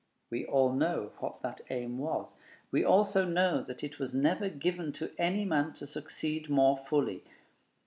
We all know what that aim was; we also know that it was never given to any man to succeed more fully.